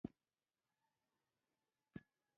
سخت مخالفین را وبلل.